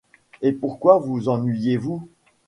Et pourquoi vous ennuyez-vous ?